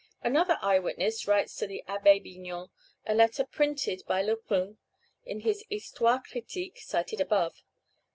Another eye witness writes to the Abbé Bignon a letter printed by Lebrun in his Histoire critique cited above.